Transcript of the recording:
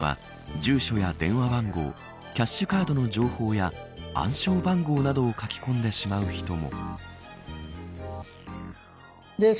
高齢者の中には住所や電話番号キャッシュカードの情報や暗証番号などを書き込んでしまう人も。